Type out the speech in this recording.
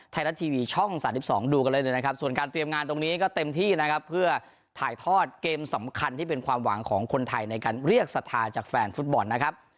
ไทยรัดทรูปช่อง๓๒ดูค่ะเลยเลยนะครับส่วนการเตรียมงานตรงนี้ก็เต็มที่นะครับเพื่อถ่ายทอดเกมสำคัญและเป็นความหวางที่เป็นของคนไทยในเรียกสถาจากแฟนฟู้ดบอลนะครับ